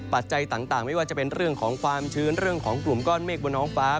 ปัจจัยต่างไม่ว่าจะเป็นเรื่องของความชื้นเรื่องของกลุ่มก้อนเมฆบนท้องฟ้า